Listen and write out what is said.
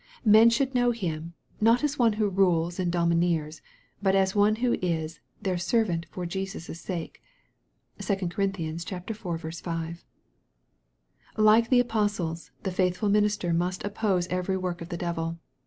Men should know him, not as one who rules and domineers, but as one who is " their servant for Jesus' sake." (2 Cor. iv. 5.) Like the apostles, the faithful minister must oppose every work of the devil.